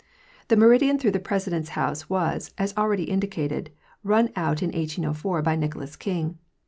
The meridian through the President's house was, as already indicated, run out in 1804 by Nicholas King.